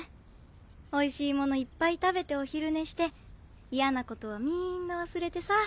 おいしいものいっぱい食べてお昼寝してイヤなことはみんな忘れてさ。